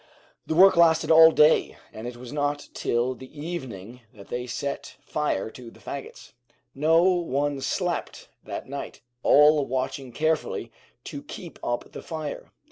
The work lasted all day, and it was not till the evening that they set fire to the fagots. No one slept that night, all watching carefully to keep up the fire.